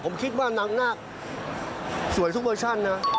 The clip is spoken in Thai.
ผมคิดน้หน้าสวยทุกเวอร์ชั่นนะ